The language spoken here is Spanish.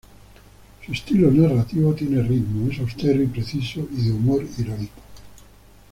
Su estilo narrativo tiene ritmo, es austero y preciso, y de humor irónico.